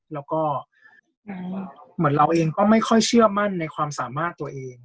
แล้วก็เหมือนเราเองก็ไม่ค่อยเชื่อมั่นในความสามารถตัวเอง